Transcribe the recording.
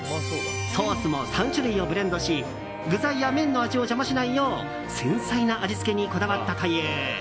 ソースも３種類をブレンドし具材や麺の味を邪魔しないよう繊細な味付けにこだわったという。